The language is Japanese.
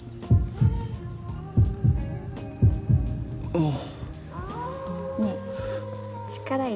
うん。